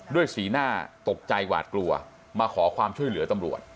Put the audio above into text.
สีหน้าตกใจหวาดกลัวมาขอความช่วยเหลือตำรวจ